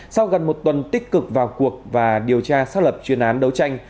sau gần một tuần tích cực vào cuộc và điều tra xác lập chuyên án đấu tranh